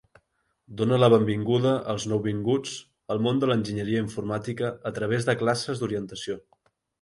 Dona la benvinguda als nouvinguts al món de l'enginyeria informàtica a través de classes d'orientació.